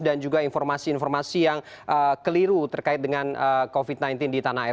dan juga informasi informasi yang keliru terkait dengan covid sembilan belas di tanah air